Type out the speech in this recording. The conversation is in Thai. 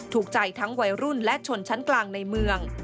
ถูกใจทั้งวัยรุ่นและชนชั้นกลางในเมือง